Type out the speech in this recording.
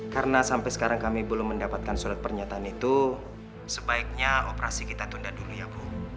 karena sampai sekarang kami belum mendapatkan surat pernyataan itu sebaiknya operasi kita tunda dulu ya bu